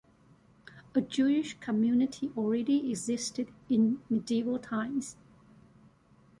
A Jewish community already existed in medieval times.